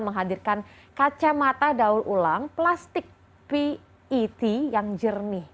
menghadirkan kacamata daur ulang plastik pet yang jernih